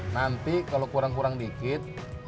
nanti kalau kurang kurang dikit